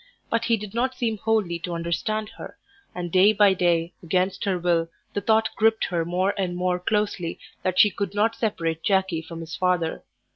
But he did not seem wholly to understand her, and day by day, against her will, the thought gripped her more and more closely that she could not separate Jackie from his father.